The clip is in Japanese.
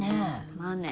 まあね。